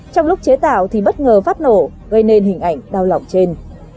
trong lúc chế tạo thì bất ngờ phát nổ gây nên hình ảnh đau lòng trên